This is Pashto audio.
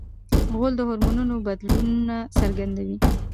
غول د هورمونونو بدلونه څرګندوي.